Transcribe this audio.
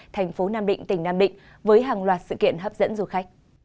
thành phố nam định tỉnh nam định với hàng loạt sự kiện hấp dẫn du khách